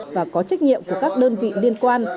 và có trách nhiệm của các đơn vị liên quan